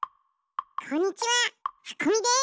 こんにちははこみです！